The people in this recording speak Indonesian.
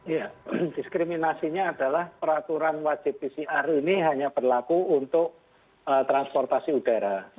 iya diskriminasinya adalah peraturan wajib pcr ini hanya berlaku untuk transportasi udara